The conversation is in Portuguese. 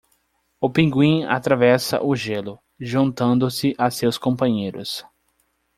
O pinguim atravessa o gelo, juntando-se a seus companheiros.